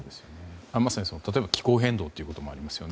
まさに、気候変動ということもありますよね。